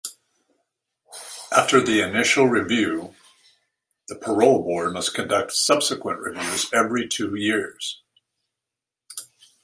After the initial review, the Parole Board must conduct subsequent reviews every two years.